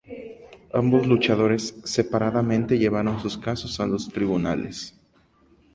Ambos luchadores, separadamente, llevaron sus casos a los tribunales.